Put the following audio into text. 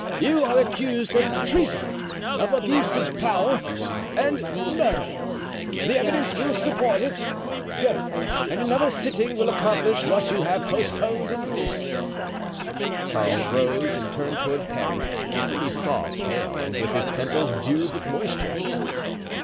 You are accused of treason, of abuse of power, and murder. The evidence will support it. Go, and another sitting will accomplish what you have postponed in this." Charles rose and turned toward Parry, whom he saw pale and with his temples dewed with moisture.